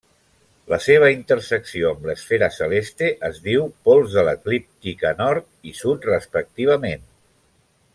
La seva intersecció amb l'esfera celeste es diu pols de l'eclíptica nord i sud respectivament.